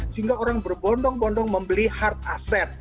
sehingga orang berbondong bondong membeli hard asset